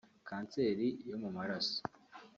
kanseri yo mu maraso